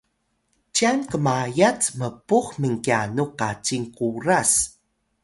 cyan qmayat mpux minqyanux kacing Kuras